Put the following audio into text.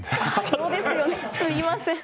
そうですよね、すみません。